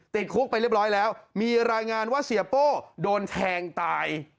ติดคุกไปเรียบร้อยแล้วมีรายงานว่าเสียโป้โดนแทงตาย